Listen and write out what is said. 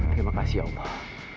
terima kasih allah